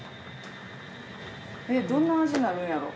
どんな味になるんやろう？